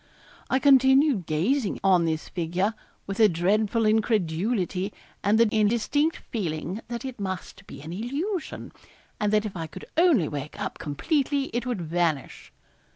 I continued gazing on this figure with a dreadful incredulity, and the indistinct feeling that it must be an illusion and that if I could only wake up completely, it would vanish.